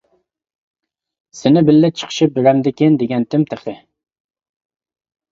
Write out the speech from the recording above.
سېنى بىللە چىقىشىپ بېرەمدىكىن دېگەنتىم تېخى.